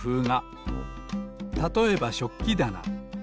たとえばしょっきだな。